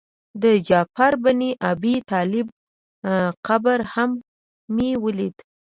د جعفر بن ابي طالب قبر هم مې ولید.